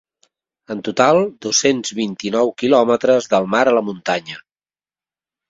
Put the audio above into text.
En total dos-cents vint-i-nou kilòmetres del mar a la muntanya.